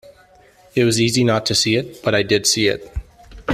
It was easy not to see it, but I did see it.